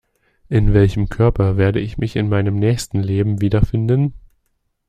In welchem Körper werde ich mich in meinem nächsten Leben wiederfinden?